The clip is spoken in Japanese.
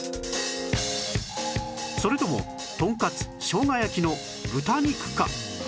それともとんかつしょうが焼きの豚肉か？